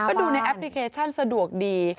ก็ดูในแอปพลิเคชันสะดวกดี